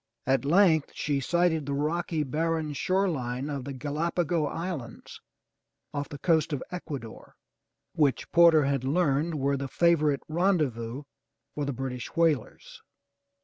At length she sighted the rocky, barren shore line of the Ga la'pa go Islands off the coast of Ecuador, which Porter had learned were the favorite rendezvous for the British whalers.